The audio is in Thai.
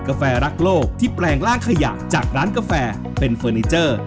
แฟรักโลกที่แปลงร่างขยะจากร้านกาแฟเป็นเฟอร์นิเจอร์